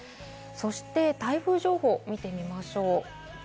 台風情報を見てみましょう。